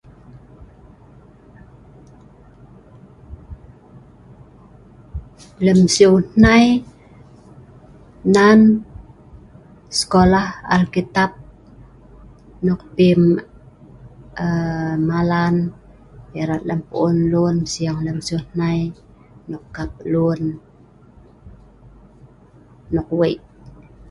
Lem siew hnei nan sekolah alkitab nok p aa.. malan erat lem pu’un lun sing lem siew hnei nok kap lun nok weik